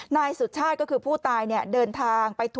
นายสุชาติก็คือผู้ตายเนี่ย